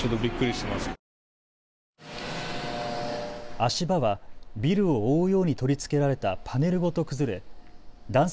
足場はビルを覆うように取り付けられたパネルごと崩れ男性